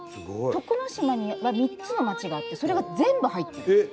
徳之島には３つの町があってそれが全部入ってる。